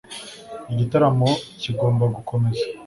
Igitaramo kigomba gukomeza